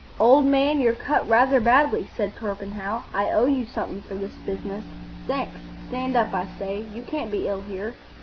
"Old man, you're cut rather badly," said Torpenhow. "I owe you something for this business. Thanks. Stand up! I say, you can't be ill here."